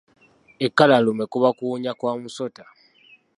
Ekkalalume kuba kuwunya kwa musota.